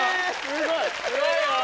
すごい！